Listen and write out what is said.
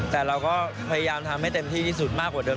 แต่เราก็พยายามทำให้เต็มที่ที่สุดมากกว่าเดิ